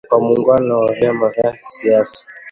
kwa muungano wa Vyama vya Kisiasa